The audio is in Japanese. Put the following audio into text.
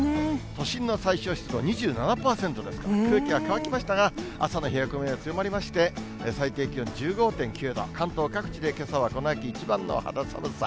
都心の最小湿度、２７％ですから、空気は乾きましたが、朝の冷え込みは強まりまして、最低気温１５．９度、関東各地でけさはこの秋一番の肌寒さ。